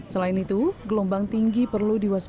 selain itu gelombang tinggi perlu diwaspada